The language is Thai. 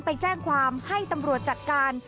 ไปแจ้งความให้ตำรวจจัดการ